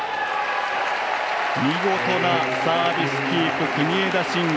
見事なサービスキープ、国枝慎吾。